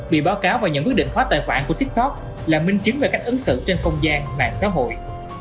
bị báo cáo và nhận quyết định khóa tài khoản của tiktok là minh chứng về cách ứng xử trên không gian mạng xã hội